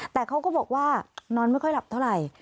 แต่เขาก็บอกว่านอนไม่ค่อยหลับเท่าไหร่